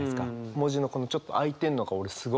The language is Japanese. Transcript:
文字のこのちょっと空いてるのが俺すごく好きで。